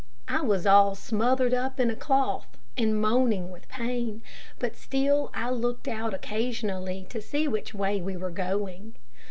I was all smothered up in a cloth, and moaning with pain, but still I looked out occasionally to see which way we were going.